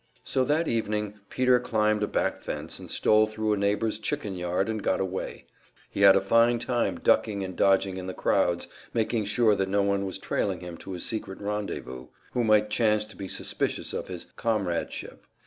So that evening Peter climbed a back fence and stole thru a neighbor's chicken yard and got away. He had a fine time ducking and dodging in the crowds, making sure that no one was trailing him to his secret rendezvous no "Red" who might chance to be suspicious of his "comradeship."